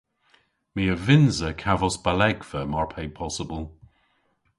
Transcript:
My a vynnsa kavos balegva mar pe possybyl.